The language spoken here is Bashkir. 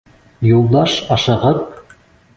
Юлдаш ашығып: